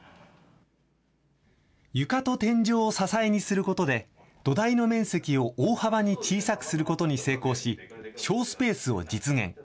床と天井を支えにすることで、土台の面積を大幅に小さくすることに成功し、小スペースを実現。